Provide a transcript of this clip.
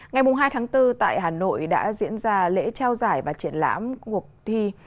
ngày hai tháng bốn tại hà nội đã diễn ra lễ trao giải và triển lãm cuộc thi